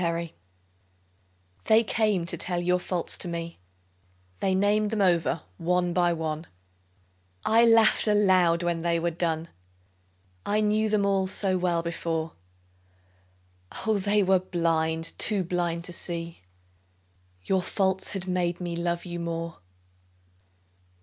Faults They came to tell your faults to me, They named them over one by one; I laughed aloud when they were done, I knew them all so well before, Oh, they were blind, too blind to see Your faults had made me love you more.